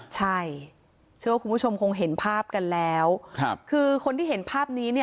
ใช่เชื่อว่าคุณผู้ชมคงเห็นภาพกันแล้วครับคือคนที่เห็นภาพนี้เนี่ย